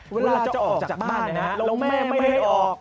เวลาจะออกจากบ้านแล้วแม่ไม่ให้ออก